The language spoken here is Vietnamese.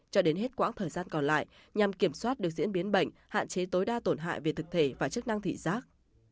cho đến hết quãng thời gian còn lại nhằm kiểm soát được diễn biến bệnh hạn chế tối đa tổn hại về thực thể và chức năng thị giác